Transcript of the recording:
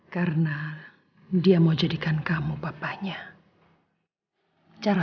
landing di bandara